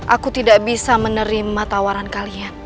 aku tidak bisa menerima tawaran kalian